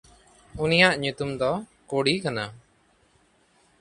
ᱩᱱᱤᱭᱟᱜ ᱧᱩᱛᱩᱢ ᱫᱚ ᱠᱚᱰᱭ ᱠᱟᱱᱟ᱾